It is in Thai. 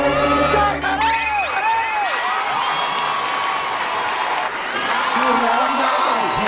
ร้องได้ร้องได้ร้องได้